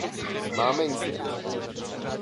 Máme instituce.